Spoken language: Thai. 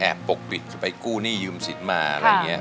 ปกปิดไปกู้หนี้ยืมสินมาอะไรอย่างนี้